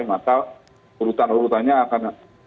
maka urutan urutannya akan